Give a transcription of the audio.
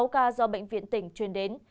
sáu ca do bệnh viện tỉnh truyền đến